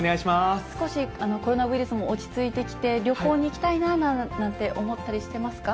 少しコロナウイルスも落ち着いてきて、旅行に行きたいな、なんて思ったりしてますか？